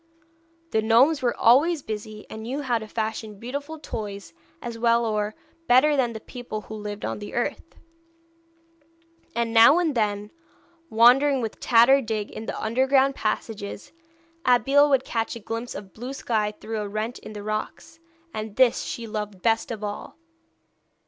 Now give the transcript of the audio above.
The gnomes were always busy, and knew how to fashion beautiful toys as well or better than the people who lived on the earth; and now and then, wandering with Tad or Dig in the underground passages, Abeille would catch a glimpse of blue sky through a rent in the rocks, and this she loved best of all.